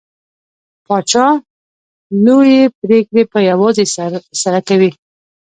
پاچا لوې پرېکړې په يوازې سر سره کوي .